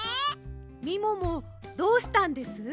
みももどうしたんです？